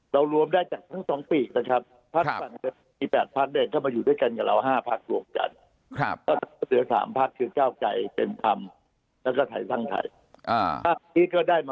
เรารวมได้จากครั้งสองปีครับครับ